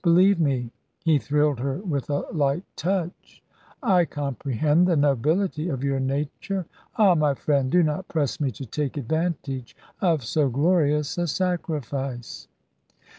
Believe me" he thrilled her with a light touch "I comprehend the nobility of your nature. Ah, my friend, do not press me to take advantage of so glorious a sacrifice."